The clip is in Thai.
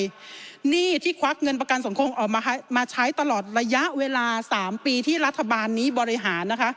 หนี้ที่ควักเงินประกันสังคมออกมามาใช้ตลอดระยะเวลา๓ปีที่รัฐบาลนี้บริหารนะคะ